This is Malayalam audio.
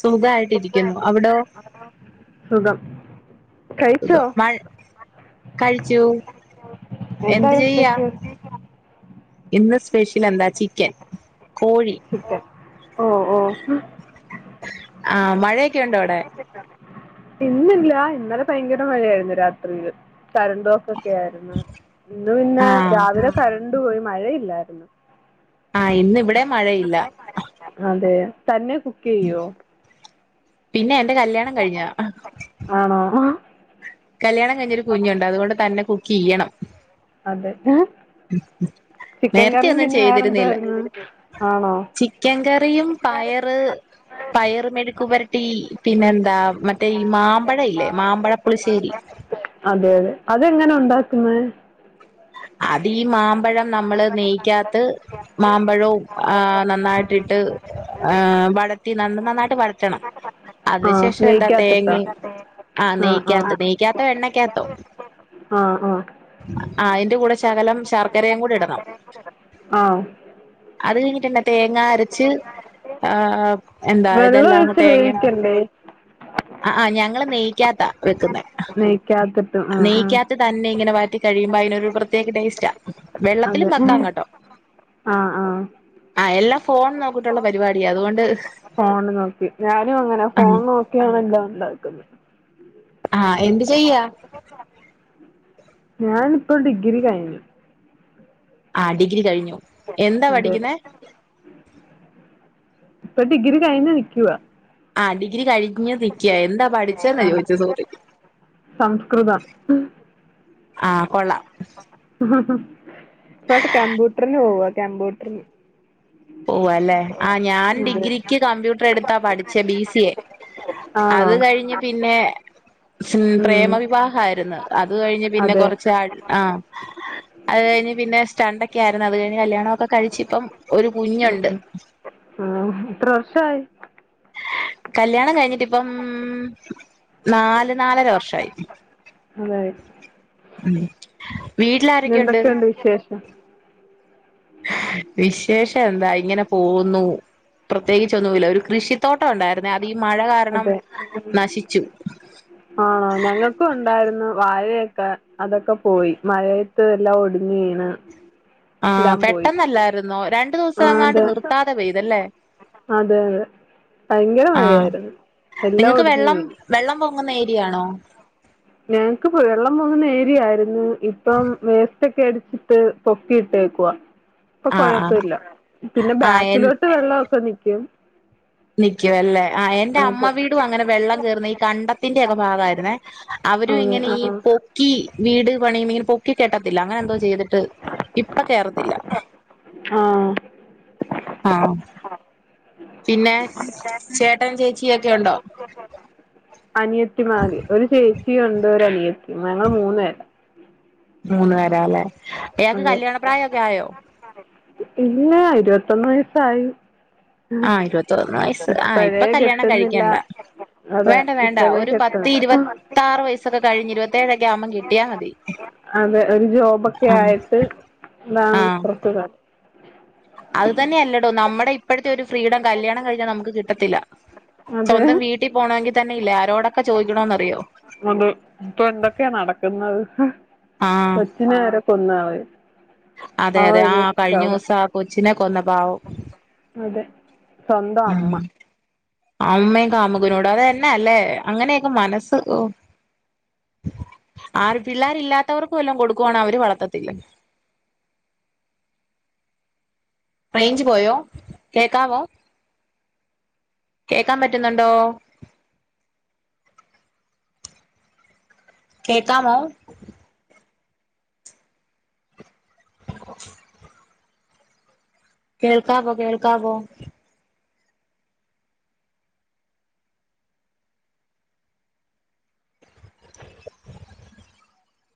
സുഖയിട്ടിരിക്കുന്നു അവിടൊ സുഖം കഴിച്ചോ മഴ കഴിച്ചു എന്ത് എന്താരുന്നു ചെയ്യാ സ്പെഷ്യല് ഇന്ന് സ്പെഷ്യൽ എന്താ ചിക്കൻ കോഴി ചിക്കൻ ഓഹ് ഓഹ് ആഹ് മഴ അപ്പക്കട്ട ഇന്നില്ല ഇന്നലെ ഭയങ്കര മഴയായിരുന്നു രാത്രിയില് കരുന്തോ ൊക്കെ ആയിരുന്നു ഇന്ന് പിന്നെ ആഹ് രാവിലെ കരണ്ട് പോയി മഴയില്ലായിരുന്നു ആഹ് ഇന്ന ഇവിടെ മഴയില്ല അതെ തന്നെ കുക്ക്യ്യ്യോ പിന്നെ എന്റെ കല്യാണം കഴിഞ്ഞതാ ആണോ കല്യാണം കഴിഞ്ഞൊരു കുഞ്ഞുണ്ട് അതുകൊണ്ട് തന്നെ കുക്ക് ചെയ്യണം അതെ ചിക്കൻ നേരത്തെ കറിയും ഒന്നും പിന്നെ ചെയ്തിരുന്നില്ല വേറെന്തായിരുന്നു ആണോ ചിക്കൻ കറിയും പയറ് പയറ് മെഴുക്കുപരട്ടി പിന്നെന്താ മ ഈ മാമ്പഴ ഇല്ലേ മാമ്പഴപ്പളിശ്ശേരി അതെ അതെ അതെങ്ങനെ ഉണ്ടാക്കുന്ന അത് ഈ മാമ്പഴം നമ്മള് നെയിക്കാത്ത മാമ്പഴവും ആ നന്നായിട്ടിട്ട് വയറ്റി ന നന്നായിട്ട് വയറ്റണം ആഹ് അതിന്ശേഷം എന്താ നെയ്ക്കാത്തിട്ടോ തേങ്ങ ആഹ് നെയ്ക്കാത്ത് നെയ്ക്കാത്തോ എണ്ണക്കാത്തോ ആഹ് ആഹ് ആഹ് അയ്ന്റെ കൂടെ ശകലം ശർക്കരയും കൂടി ഇടണം ആഹ് അത് കഴിഞ്ഞിട്ടന്നെ തേങ്ങ അരച്ച് ആഹ് എന്താ വെള്ളം ഇതെല്ലാന്ന് ഒഴിച്ച് തേങ്ങയും വേവിക്കണ്ടേ ആഹ് ആ് ഞങ്ങള് നെയിക്കാത്താ വെക്കുന്നത് നെയ്ക്കാത്ത് നെയ്ക്കാത്ത് തന്നെ ഇങ്ങനെ വയറ്റി കഴിയുമ്പോ അതിനൊരു പ്രത്യേക ടേസ്റ്റ അതെ വെള്ളത്തിലും വെക്കാങ്ങട്ടോ ആഹ് ആഹ് ആഹ് എല്ലാം ഫോൺ നോക്കിട്ടുള്ള പരിപാടിയാ അതുകൊണ്ട് ഫോണ് നോക്കി ഞാനും അങ്ങനെ ഉം ഫോൺ നോക്കിയാണ് എല്ലാം ഉണ്ടാക്കുന്നത് ആഹ് എന്ത് ചെയ്യാ ഞാനി ഇപ്പോ ഡിഗ്രി കഴിഞ്ഞു ആഹ് ഡിഗ്രി കഴിഞ്ഞു എന്താ അതെ പഠിക്കുന്ന ഇപ്പം ഡിഗ്രി കഴിഞ് നിക്കുവാ ആഹ് ഡിഗ്രി കഴിഞ് നിക്കാ എന്താ പഠിച്ചെന്ന ആഹ് ചോദിച്ചു സോറി സംസ്കൃതം ആഹ് കൊള്ളാം ഇപ്പട്ട് കമ്പ്യൂട്ടർന്ന് പോവ കമ്പ്യൂട്ടർന് പോവ അല്ലെ ആ ഞാൻ അതെ ഡിഗ്രിക്ക് കമ്പ്യൂട്ടർ എടുത്താ പഠിച്ചേ ബി സി എ ആണോ അത് കഴിഞ്ഞ് പിന്നെ ഉം പ്രേമ വിവാഹം ആയിരുന്നു അത് കഴിഞ്ഞ് പിന്നെ അതെ കുറച്ച് നാൾ ആ അത് കഴിഞ്ഞ് പിന്നെ സ്റ്റണ്ട് ഒക്കെ ആയിരുന്നു അത് കഴിഞ്ഞ് കല്യാണം ഒക്കെ കഴിച്ച ഇപ്പം ഉ ആ എത്ര വർഷായി കല്യാണം കഴിഞ്ഞിട്ട് ഇപ്പം നല് നാലര വർഷായി അതെ ഉം പിന്നെ വീട്ടിലാരൊക്കെയുണ്ട് എന്തൊക്കെയുണ്ട് വിശേഷം വിശേഷം എന്താ ഇങ്ങനെ പോകുന്നു പ്രത്യേകിച്ച് ഒന്നുമില്ല ഒരു കൃഷി തോട്ടം ഉണ്ടായിരുന്നേ അത് ഈ മഴ കാരണം അതെ ഉം. നശിച്ചു ആണോ ഞങ്ങൾക്കും ഉണ്ടായിരുന്ന വാഴയൊക്കെ അതൊക്കെ പോയി മഴ ത്ത് എല്ലാം ഒടിഞ് വീണ് ആഹ് എല്ലാം പോയി പെട്ടെന്നല്ലായിരുന്നോ രണ്ടു ദിവസം ആഹ് അങ്ങാണ്ട് അതെ നിർത്താതെ പെയ്തല്ലേ അതെ അതെ ഭയങ്കര ആ മഴയായിരുന്നു എല്ലാം നിങ്ങക്ക് ഒടിഞ്ഞഞ് വെള്ളം വീണ് വെള്ളം പൊങ്ങുന്ന ഏരിയാണോ ഞങ്ങക്ക് വെള്ളം പോകുന്ന ഏരിയായിരുന്നു ഇപ്പം വേ ഒക്കെ അടിച്ചിട്ട് പൊക്കി ഇട്ടേക്കുവാ ഇപ്പൊ ആ ആ കൊഴപ്പമില്ല പിന്നെ ആ എൻ ബാക്കിലോട്ട് വെള്ളമൊക്കെ നിക്കും നിക്കുവ അല്ലേ ആ എന്റെ അമ്മ അതെ വീടും അങ്ങനെ വെള്ളം കയറുന്ന ഈ കണ്ടത്തിന്റെറെ ഒക്കെ ഭാഗമായിരുന്നേ അവരും അതെ ഇങ്ങനെ ആ ഈ പൊക്കി വീട് പണിയുമ്പോ ഇങ്ങനെ പൊക്കി കെട്ടത്തില്ല അങ്ങനെ എന്തോ ചെയ്തിട്ട് ഇപ്പ കേയറത്തില്ല ആ ആഹ് പിന്നെ ചേട്ടൻ ചേച്ചി ഒക്കെ ഉണ്ടോ അനിയത്തിമാര് ഒരു ചേച്ചി ഉണ്ട് ഒരു അനിയത്തി ഞങ്ങൾ മൂന്നുപേരാ മൂന്ന് പേരല്ലേ ഇയാക്ക് അതെ കല്യാണ പ്രായമൊക്കെ ആയോ ഇല്ല ഇരുപത്തൊന്ന് വയസ്സായി ആ ഇരുപത്തൊന്ന് വയസ്സ് ആഹ് ഇപ്പഴേ ഇപ്പൊ കല്യാണം കിട്ടുന്നില്ല കഴിക്കണ്ട അതെ വേണ്ട വേണ്ട ഇപ്പഴേ ഒരു പത്തി കിട്ടണ്ട ഇരുപത്താറ് വയസ്സൊക്കെ കഴിഞ്ഞ് ഇരുപത്തേഴൊക്കെ ആവുമ്പം കെട്ടിയാ മതി അതെ ഒരു ജോബൊക്കെ ആഹ് ആയിട്ട് ഇതാണ് ആഹ് [unintelligible] അത് തന്നെയ അല്ലടോ നമ്മുടെ ഇപ്പോഴത്തെ ഒരു ഫ്രീഡം കല്യാണം കഴിഞ്ഞാൽ നമുക്ക് കിട്ടത്തില്ല അതെ സ്വന്തം വീട്ടിൽ പോണകമെങ്കിൽ തന്നെ ഇല്ല ആരോടൊക്കെ ചോദിക്കണോന്ന്റിയോ അത് ഇപ്പൊ എന്തൊക്കെയാ നടക്കുന്നത് ആഹ് അച്ഛനെ ആരോ [unintelligible] അതെ അതെ ആ കഴിഞ്ഞ ദിവസം ആ കൊച്ചിനെ കൊന്ന പാവം അതെ സ്വന്തം ഉം അമ്മ അമ്മയും കാമുകനോട് അത് തന്നെ അല്ലേ അങ്ങനെയൊക്കെ മനസ്സ് ആര് പിള്ളേരില്ലാത്തവർക്കും വല്ലം കൊടുക്കുവാണ് അവര് വളർത്തത്തില്ല റെയിഞ്ച് പോയോ കേൾക്കാവോ കേക്കാൻ പറ്റുന്നുണ്ടോ കേക്കാമോ [inaudible] കേൾക്കാവൊ കേൾക്കാവോ